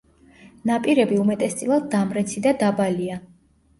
ნაპირები უმეტესწილად დამრეცი და დაბალია.